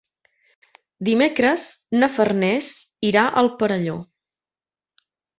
Dimecres na Farners irà al Perelló.